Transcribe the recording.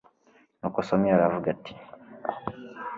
nuko samweli aravuga ati